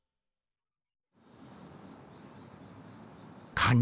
カニ